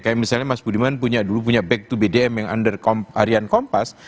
kayak misalnya mas budiman dulu punya back to bdm yang under harian kompas